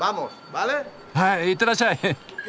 はい行ってらっしゃい！